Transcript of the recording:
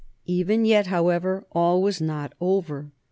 Even yet, however, all was not over.